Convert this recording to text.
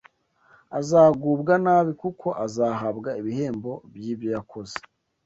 Azagubwa nabi, kuko azahabwa ibihembo by’ibyo yakoze